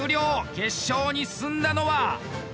決勝に進んだのは。